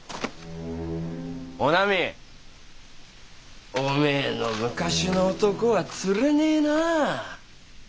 おなみおめえの昔の男はつれねえな。